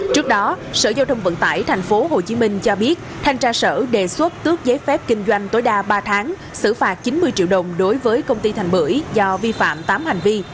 trước đó sở giao thông vận tải tp hcm cho biết thanh tra sở đề xuất tước giấy phép kinh doanh tối đa ba tháng xử phạt chín mươi triệu đồng đối với công ty thành bưởi do vi phạm tám hành vi